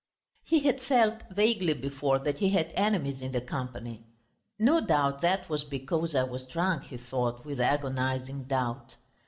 He had felt vaguely before that he had enemies in the company. "No doubt that was because I was drunk," he thought with agonising doubt.